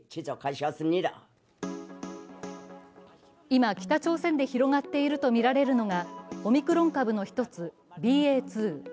今、北朝鮮で広がっているとみられるのがオミクロン株の一つ、ＢＡ．２。